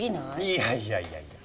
いやいやいやいや